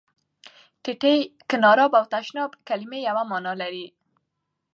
ټټۍ، کېناراب او تشناب کلمې یوه معنا لري.